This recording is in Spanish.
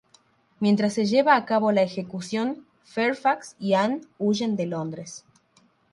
Mientras se lleva a cabo la ejecución, Fairfax y Anne huyen de Londres.